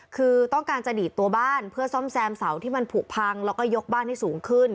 คือต้องการจะดีดตัวบ้านเพื่อซ่อมแซมเสาที่มันผูกพังแล้วก็ยกบ้านให้สูงขึ้น